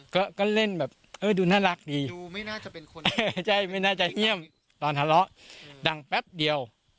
ก็เล่นแบบดูน่ารักดีไม่น่าจะเงียบตอนทะเลาะดังแป๊บเดียว